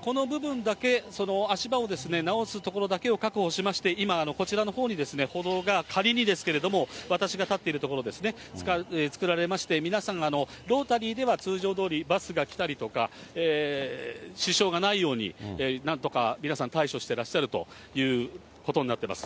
この部分だけ足場を直す所だけを確保しまして、今、こちらのほうに歩道が、仮にですけれども、私が立っている所ですね、作られまして、皆さん、ロータリーでは通常どおりバスが来たりとか、支障がないように、なんとか皆さん、対処してらっしゃるということになっています。